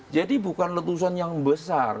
jadi bukan letusan yang besar